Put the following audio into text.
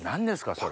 それ。